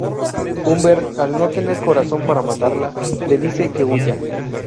Humbert, al no tener corazón para matarla, le dice que huya.